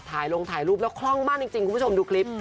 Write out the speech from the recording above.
ถ่ายลงถ่ายรูปแล้วคล่องมากจริงคุณผู้ชมดูคลิป